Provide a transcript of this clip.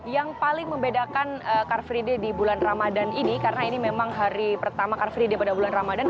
yang paling membedakan car free day di bulan ramadan ini karena ini memang hari pertama car free day pada bulan ramadan